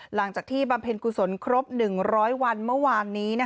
หลังจากที่บำเพ็ญกุศลครบ๑๐๐วันเมื่อประกอบนี้